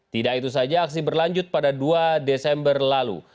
tidak itu saja aksi berlanjut pada dua desember lalu